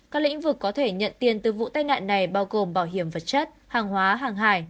các lĩnh vực có thể nhận tiền từ vụ tai nạn này bao gồm bảo hiểm vật chất hàng hóa hàng hải